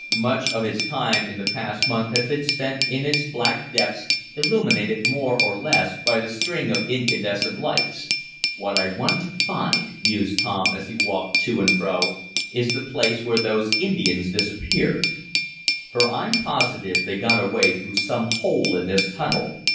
Much of his time in the past month had been spent in its black depths, illuminated, more or less, by the string of incandescent lights. "What I want to find," mused Tom, as he walked to and fro, "is the place where those Indians disappeared. For I'm positive they got away through some hole in this tunnel.